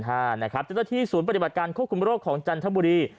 เจ้าหน้าที่ศูนย์ปฏิบัติการควบคุมโรคของจันทบุรี